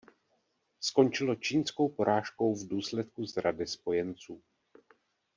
Skončilo čínskou porážkou v důsledku zrady spojenců.